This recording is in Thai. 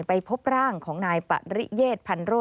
ไปพบร่างของนายปะหลิเอชพันธโรศ